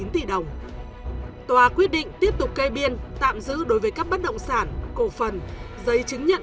sáu trăm bảy mươi ba tám trăm bốn mươi chín tỷ đồng tòa quyết định tiếp tục cây biên tạm giữ đối với các bất động sản cổ phần giấy chứng